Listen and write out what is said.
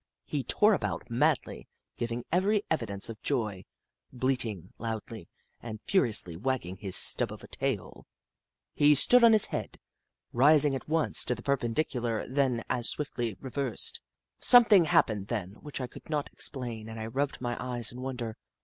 He tore about madly, giving every evidence of joy, bleating loudly, and furiously wagging his stub of a tail. He stood on his 38 The Book of Clever Beasts head, rising at once to the perpendicular, then as swiftly reversed. Something happened then which I could not explain, and I rubbed my eyes in wonder.